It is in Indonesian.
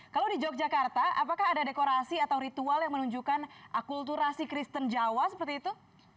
kalau di yogyakarta apakah ada dekorasi atau ritual yang menunjukkan akulturasi kristen jawa seperti itu